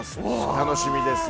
楽しみですね。